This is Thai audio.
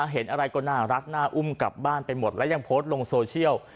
เห็นอะไรก็น่ารักน่าอุ้มกลับบ้านไปหมดแล้วยังโพสต์ลงโซเชียล